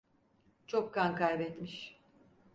Çok kan kaybetmiş.